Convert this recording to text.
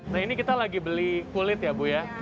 nah ini kita lagi beli kulit ya bu ya